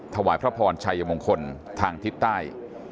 ถวายพระพรชัยมงคลทางทิศใต้